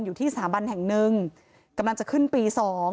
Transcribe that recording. อยู่ที่สถาบันแห่งหนึ่งกำลังจะขึ้นปี๒